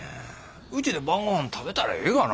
うちで晩ごはん食べたらええがな。